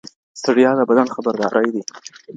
ستړیا د بدن خبرداری دی.